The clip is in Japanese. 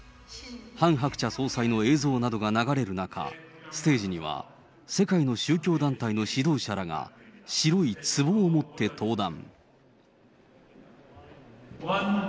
ハン・ハクチャ総裁の映像などが流れる中、ステージには世界の宗教団体の指導者らが、白いつぼを持って登壇。